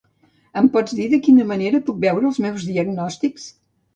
Em pots dir de quina manera puc veure els meus diagnòstics?